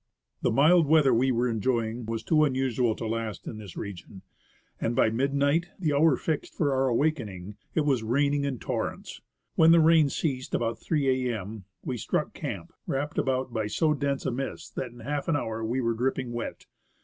The mild weather we were enjoying was too unusual to last in this region, and by midnight — the hour fixed for our awakening — it was raining in torrents. When the rain ceased about 3 a.m., we 89 THE ASCENT OF MOUNT ST. ELIAS struck camp, wrapped about by so dense a mist that in half an hour we were dripping wet.